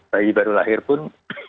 bayi baru lahir pun